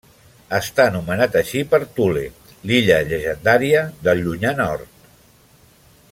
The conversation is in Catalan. Està nomenat així per Thule, l'illa llegendària del llunyà nord.